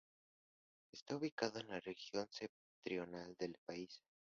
Está ubicado en la región septentrional del país.